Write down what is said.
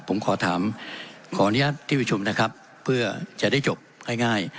ผมขอถามขออนุญาตที่ประชุมนะครับเพื่อจะได้จบง่าย